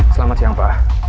selamat siang pak